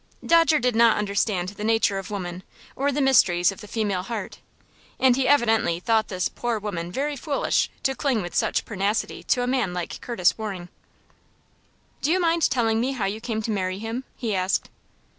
Dodger did not understand the nature of women or the mysteries of the female heart, and he evidently thought this poor woman very foolish to cling with such pertinacity to a man like Curtis Waring. "Do you mind telling me how you came to marry him?" he asked.